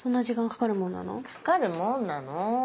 かかるもんなの！